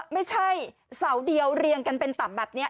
ไม่ใช่เสาเดียวเรียงกันเป็นต่ำแบบนี้